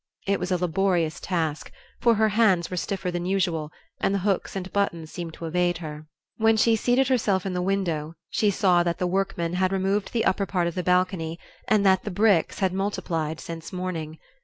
It was a laborious task, for her hands were stiffer than usual, and the hooks and buttons seemed to evade her. When she seated herself in the window, she saw that the workmen had removed the upper part of the balcony, and that the bricks had multiplied since morning.